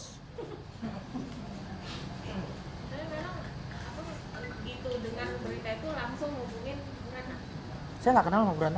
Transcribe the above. tapi memang itu dengan berita itu langsung ngubungin burangnya